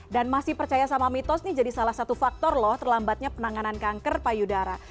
dan masih percaya sama mitos ini jadi salah satu faktor loh terlambatnya penanganan kanker payudara